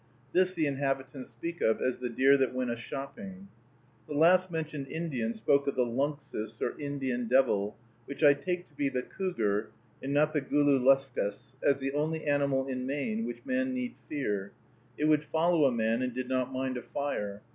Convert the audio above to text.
This the inhabitants speak of as the deer that went a shopping. The last mentioned Indian spoke of the lunxus or Indian devil (which I take to be the cougar, and not the Gulo luscus), as the only animal in Maine which man need fear; it would follow a man, and did not mind a fire.